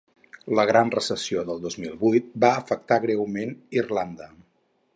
La gran recessió del dos mil vuit va afectar greument Irlanda.